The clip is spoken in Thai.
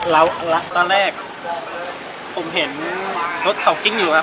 แล้วแล้วตอนแรกผมเห็นรถเขากิ้งอยู่อะ